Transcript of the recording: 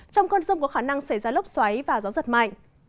trong cơn rông có khả năng xảy ra lốc xoáy và gió giật mạnh